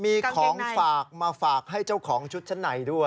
มีของฝากมาฝากให้เจ้าของชุดชั้นในด้วย